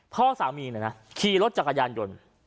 พ่อสามีขี่รถจักรยานยนต์